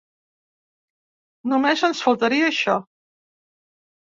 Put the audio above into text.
Només ens faltaria això.